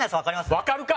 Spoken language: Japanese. わかるか！